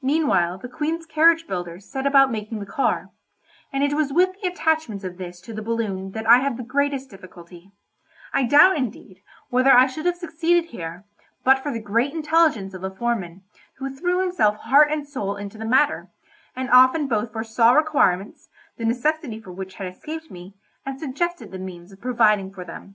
Meanwhile the Queen's carriage builders set about making the car, and it was with the attachments of this to the balloon that I had the greatest difficulty; I doubt, indeed, whether I should have succeeded here, but for the great intelligence of a foreman, who threw himself heart and soul into the matter, and often both foresaw requirements, the necessity for which had escaped me, and suggested the means of providing for them.